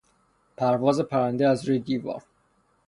پرواز پرنده از روی دیوار